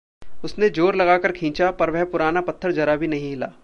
उसने ज़ोर लगाकर खींचा, पर वह पुराना पत्थर ज़रा सा भी नहीं हिला।